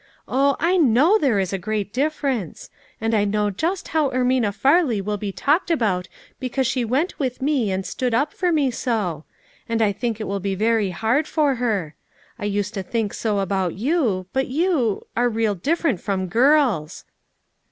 Oh! I know there is a great difference; and I know just how Ermina Farley will be talked about because she went with me, and stood up for me so ; and I think it will be very hard for her. I used to think so about you, but you are real different from girls